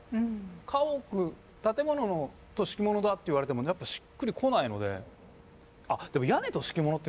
家屋「建物」と「敷物」だっていわれてもやっぱしっくりこないので。